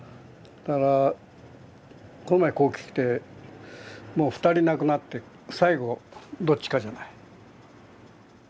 だからこの前ここ来てもう２人亡くなって最後どっちかじゃない？